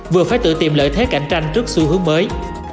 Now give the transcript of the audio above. vừa phải tự tìm lợi thế cạnh tranh trước xu hướng mới